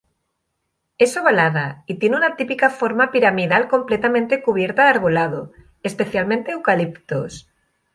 Es ovalada y tiene una típica forma piramidal completamente cubierta de arbolado, especialmente eucaliptos.